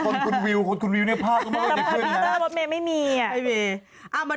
พลอยพีเตอร์มาอย่ามัย